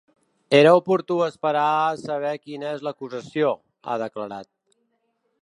Era oportú esperar a saber quina és l’acusació, ha declarat.